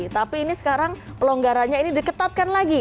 tapi ini sekarang pelonggarannya ini diketatkan lagi